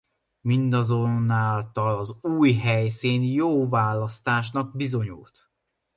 Mindazonáltal az új helyszín jó választásnak bizonyult.